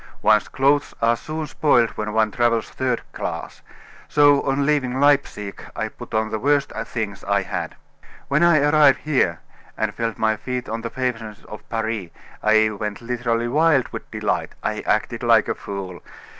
"One's clothes are soon spoiled when one travels third class, so on leaving Leipsic I put on the worst things I had. When I arrived here, and felt my feet on the pavements of Paris, I went literally wild with delight. I acted like a fool.